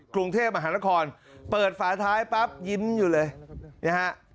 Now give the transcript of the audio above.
กรุงเทพมหานครเปิดฝาท้ายปั๊บยิ้มอยู่เลยนะฮะ